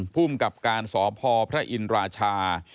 ผู้กำกับการสภพระอินราชา